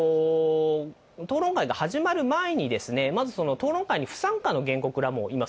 討論会が始まる前に、まず、討論会に不参加の原告らもいます。